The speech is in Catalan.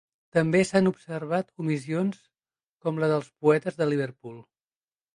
També s'han observat omissions, com la dels poetes de Liverpool.